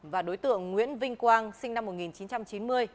và đối tượng nguyễn vinh quang sinh năm một nghìn chín trăm chín mươi